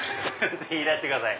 ぜひいらしてください。